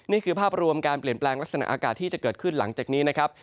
นี่คือภาพรวมการเปลี่ยนแปลงลักษณะอากาศที่จะเกิดขึ้นหลังจากนี้นะครับ